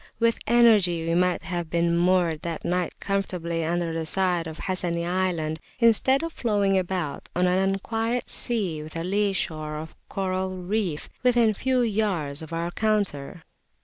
With energy we might have been moored that night comfortably under the side of Hassani Island, instead of floating about on an unquiet sea with a lee shore of coral reef within a few yards of our counter.